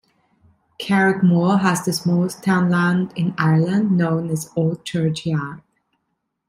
Carrickmore has the smallest townland in Ireland known as Old Church Yard.